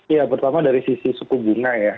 ya pertama dari sisi suku bunga ya